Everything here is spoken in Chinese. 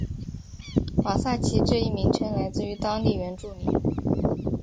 瓦萨奇这一名称来自于当地原住民。